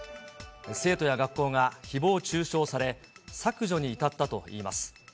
生徒や学校がひぼう中傷され、削除に至ったといいます。